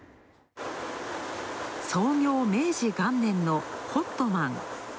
創業明治元年のホットマン。